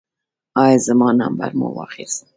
ایا زما نمبر مو واخیست؟